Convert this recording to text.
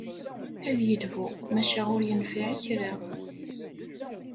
Ad yelhu, maca ur yenfiɛ i kra.